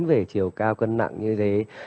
về chiều cao cân nặng như thế